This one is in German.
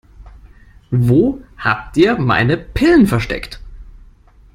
Wo habt ihr meine Pillen versteckt?